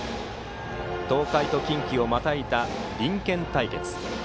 東海と近畿をまたいだ隣県対決。